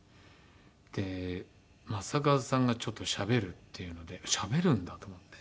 で正和さんがちょっとしゃべるっていうのでしゃべるんだと思って。